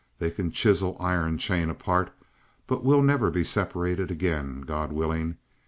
They can chisel iron chain apart, but we'll never be separated again, God willing!"